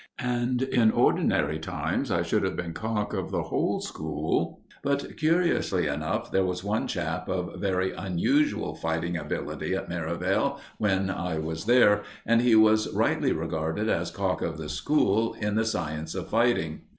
And in ordinary times I should have been cock of the whole school; but, curiously enough, there was one chap of very unusual fighting ability at Merivale when I was there, and he was rightly regarded as cock of the school in the science of fighting.